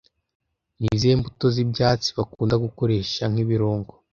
Ni izihe mbuto z'ibyatsi bakunda gukoresha nk'ibirungo